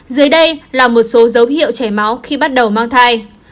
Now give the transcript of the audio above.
dưới đây là một số dấu hiệu chảy máu khi bắt đầu mang thai